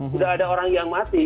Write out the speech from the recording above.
sudah ada orang yang mati